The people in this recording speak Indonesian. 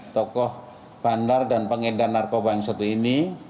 tokoh bandar dan pengedar narkoba yang satu ini